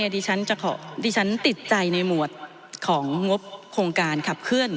ดิฉันติดใจในหมวดของงบโครงการขับเคลื่อน